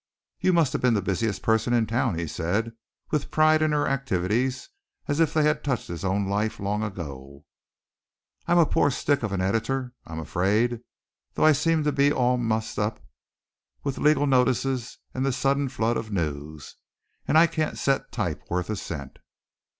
"You must have been the busiest person in town," he said, with pride in her activities as if they had touched his own life long ago. "I'm a poor stick of an editor, I'm afraid, though I seem to be all mussed up with legal notices and this sudden flood of news. And I can't set type worth a cent!"